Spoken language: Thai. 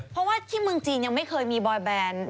เพราะว่าที่เมืองจีนยังไม่เคยมีบอยแบน